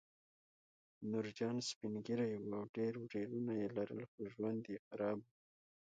نورجان سپین ږیری و او ډېر ورېرونه یې لرل خو ژوند یې خراب و